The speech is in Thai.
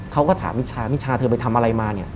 เขาก็ถามมิชามิชาเธอไปทำอะไรมาเนี่ย